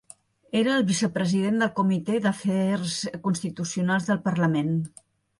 Era el vicepresident del Comitè d'Afers Constitucionals del parlament.